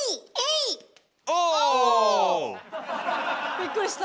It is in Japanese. びっくりした。